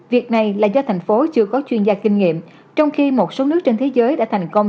việc này là do thành phố chưa có chuyên gia kinh nghiệm trong khi một số nước trên thế giới đã thành công